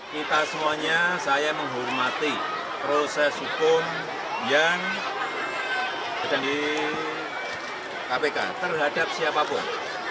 kita semuanya saya menghormati proses hukum yang ada di kpk terhadap siapapun